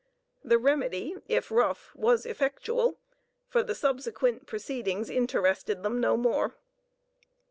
The remedy, if rough, was effectual, for "the subsequent proceedings interested them no more."